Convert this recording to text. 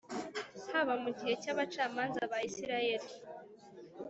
haba mu gihe cy abacamanza ba Isirayeli